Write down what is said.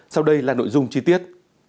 sau đây là nội dung chi tiết